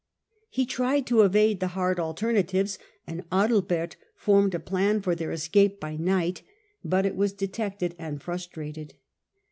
He tried to evade the hard alternatives, and Adalbert formed a plan for their escape by night, but it was detected and frustrated.